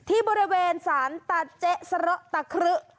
ที่บริเวณสารตะเจ๊จะร๊ะตะครึ๊ะ